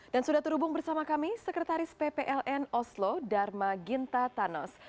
dan sudah terhubung bersama kami sekretaris ppln oslo dharma ginta thanos